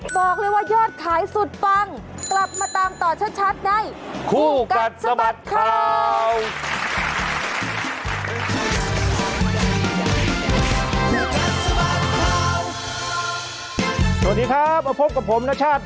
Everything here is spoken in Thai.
สวัสดีครับมาพบกับผมณชาติ